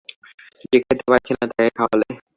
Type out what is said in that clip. যে খেতে পাচ্ছে না, তাকে খাওয়ালে।